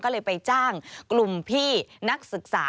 ก็เลยไปจ้างกลุ่มพี่นักศึกษา